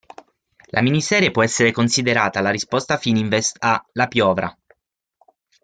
La miniserie può essere considerata la risposta Fininvest a "La piovra".